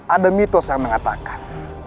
ada mitos yang mengatakan